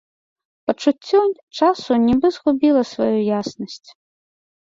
Пачуццё часу нібы згубіла сваю яснасць.